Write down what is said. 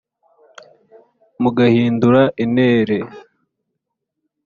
mugahindure intere